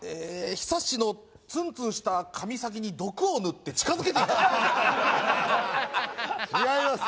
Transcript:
ＨＩＳＡＳＨＩのツンツンした髪先に毒を塗って近づけてやる違います